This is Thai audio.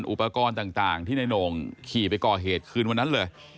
อุปกรณ์ต่างที่ในโหน่งขี่ไปก่อเหตุคืนวันนั้นเลย